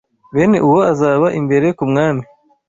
Bene uwo azaba imbere ku mwami